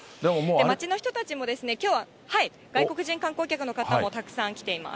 街の人たちも、きょうは外国人観光客の方もたくさん来ています。